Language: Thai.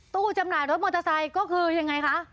จำหน่ายรถมอเตอร์ไซค์ก็คือยังไงคะ